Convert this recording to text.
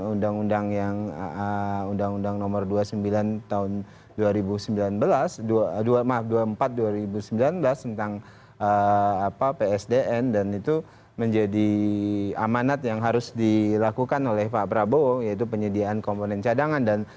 undang undang yang undang undang nomor dua puluh sembilan tahun dua ribu sembilan belas maaf dua puluh empat dua ribu sembilan belas tentang psdn dan itu menjadi amanat yang harus dilakukan oleh pak prabowo yaitu penyediaan komponen cadangan